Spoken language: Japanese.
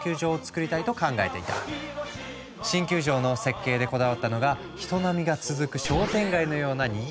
新球場の設計でこだわったのが人波が続く商店街のようなにぎわいのある空間。